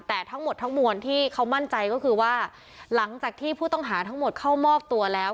แต่ทั้งหมดทั้งมวลที่เขามั่นใจก็คือว่าหลังจากที่ผู้ต้องหาทั้งหมดเข้ามอบตัวแล้ว